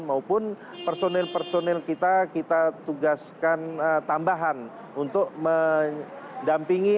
maupun personil personil kita kita tugaskan tambahan untuk mendampingi